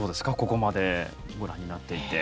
ここまでご覧になっていて。